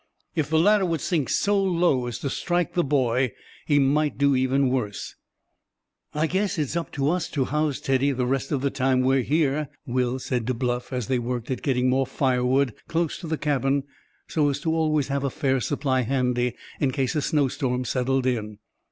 If the latter would sink so low as to strike the boy he might do even worse. "I guess it's up to us to house Teddy the rest of the time we're here," Will said to Bluff, as they worked at getting more firewood close to the cabin so as to always have a fair supply handy, in case a snowstorm settled in.